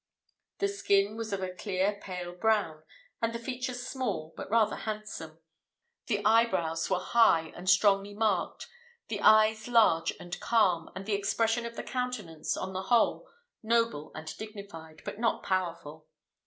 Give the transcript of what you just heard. The skin was of a clear pale brown, and the features small, but rather handsome. The eyebrows were high, and strongly marked, the eyes large and calm, and the expression of the countenance, on the whole, noble and dignified, but not powerful.